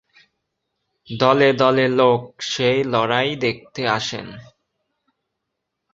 দলে দলে লোক সেই লড়াই দেখতে আসেন।